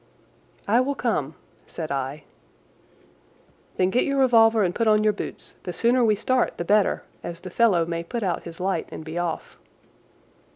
"I will come," said I. "Then get your revolver and put on your boots. The sooner we start the better, as the fellow may put out his light and be off."